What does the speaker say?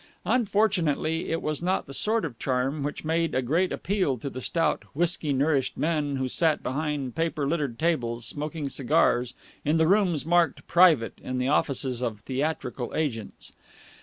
Unfortunately, it was not the sort of charm which made a great appeal to the stout, whisky nourished men who sat behind paper littered tables, smoking cigars, in the rooms marked "Private" in the offices of theatrical agents.